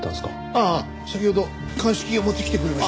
ああ先ほど鑑識が持ってきてくれました。